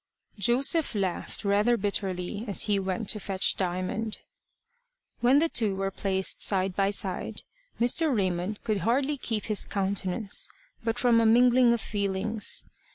Joseph laughed rather bitterly as he went to fetch Diamond. When the two were placed side by side, Mr. Raymond could hardly keep his countenance, but from a mingling of feelings.